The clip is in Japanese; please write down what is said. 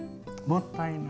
もったいない。